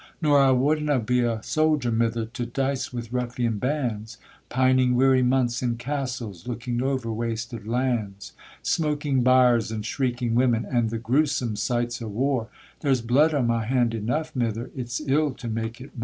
Nor I wadna be a soldier, mither, to dice wi' ruffian bands, Pining weary months in castles, looking over wasted lands. Smoking byres, and shrieking women, and the grewsome sights o' war There's blood on my hand eneugh, mither; it's ill to make it mair.